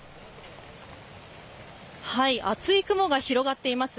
厚い雲が広がっています。